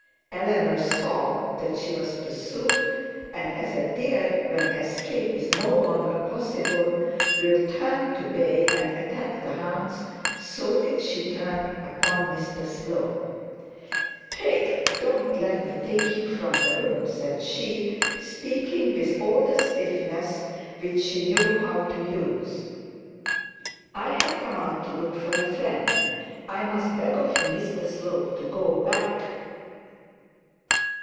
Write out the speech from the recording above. Eleanor saw that she was pursued, and as a deer, when escape is no longer possible, will turn to bay and attack the hounds, so did she turn upon Mr Slope. 'Pray don't let me take you from the room,' said she, speaking with all the stiffness which she know how to use. 'I have come out to look for a friend. I must beg of you, Mr Slope, to go back.'